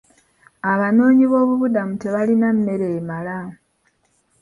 Abanoonyi b'obubudamu tebalina mmere emala.